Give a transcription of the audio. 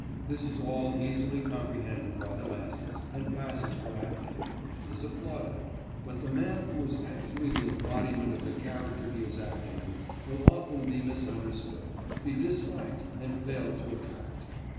This is all easily comprehended by the masses, and passes for acting, and is applauded, but the man who is actually the embodiment of the character he is creating will often be misunderstood, be disliked, and fail to attract.